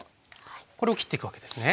これを切っていくわけですね。